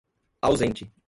ausente